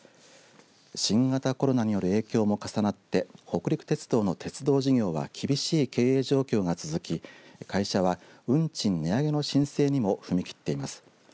新型コロナによる影響も重なって北陸鉄道の鉄道事業は厳しい経営状況が続き会社は運賃値上げの申請にも踏み切っています。